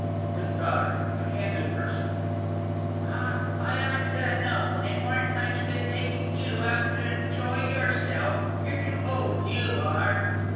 HIS DAUGHTER (a candid person). Ah, I ought to ha' known it warn't much good taking you out to enjoy yourself you're too old, you are!